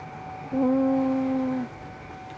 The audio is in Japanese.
うん。